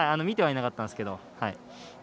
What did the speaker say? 見てはいなかったんですけど。